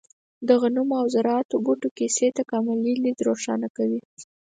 د غنمو او ذراتو بوټو کیسې تکاملي لید روښانه کوي.